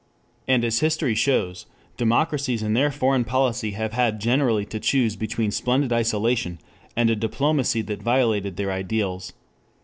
And as history shows, democracies in their foreign policy have had generally to choose between splendid isolation and a diplomacy that violated their ideals.